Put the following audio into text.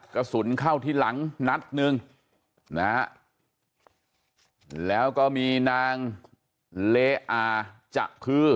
กระสุนเข้าที่หลังนัดหนึ่งนะฮะแล้วก็มีนางเลอาจจะคือ